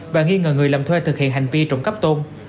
và nghi ngờ người làm thuê thực hiện hành vi trộm cắp tôn